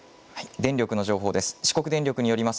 電力の情報です。